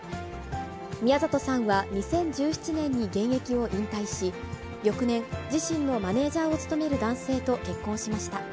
宮里さんは２０１７年に現役を引退し、翌年、自身のマネージャーを務める男性と結婚しました。